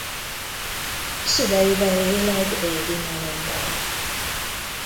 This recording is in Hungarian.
Szüleivel él egy régi malomban.